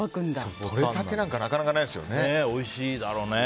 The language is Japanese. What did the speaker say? とれたてなんかなかなかないですよね。